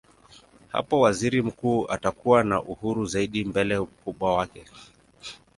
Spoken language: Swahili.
Hapo waziri mkuu atakuwa na uhuru zaidi mbele mkubwa wake.